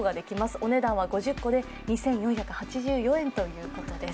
お値段は５０個で２４８４円ということです。